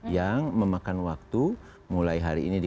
yang memakan waktu mulai hari ini di